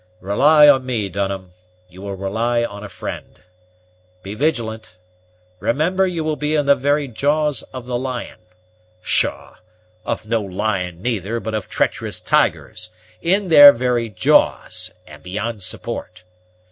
"Rely on me, Dunham you will rely on a friend. Be vigilant: remember you will be in the very jaws of the lion; pshaw! of no lion neither; but of treacherous tigers: in their very jaws, and beyond support.